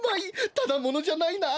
ただものじゃないなあ。